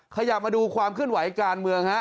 ขยับมาดูความเคลื่อนไหวการเมืองฮะ